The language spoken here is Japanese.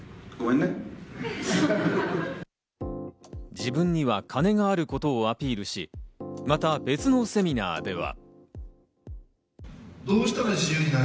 自分には金があることをアピールし、また別のセミナーでは。